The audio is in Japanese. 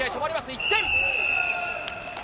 １点！